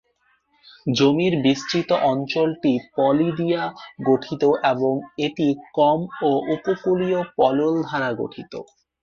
জমির বিস্তৃত অঞ্চলটি পলি দিয়ে গঠিত এবং এটি কম ও উপকূলীয় পলল দ্বারা গঠিত।